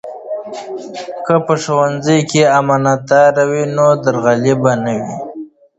که په ښوونځي کې امانتداري وي نو درغلي به نه وي.